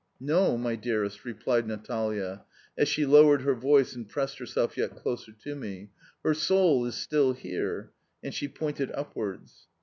"No, my dearest," replied Natalia as she lowered her voice and pressed herself yet closer to me, "her soul is still here," and she pointed upwards.